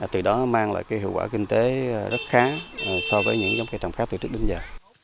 từ đó mang lại hiệu quả kinh tế rất khá so với những giống cây trồng khác từ trước đến giờ